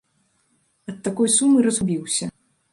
Ад такой сумы разгубіўся.